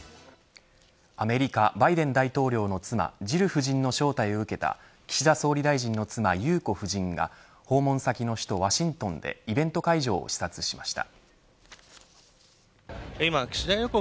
アメリカ、バイデン大統領の妻ジル夫人の招待を受けた岸田総理大臣の妻、裕子夫人が訪問先の首都ワシントンでイベント会場を視察しました。